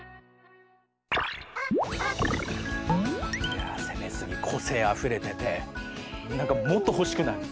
いや攻めすぎ個性あふれてて何かもっと欲しくなる。